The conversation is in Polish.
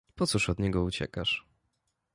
Po cóż od niego uciekasz?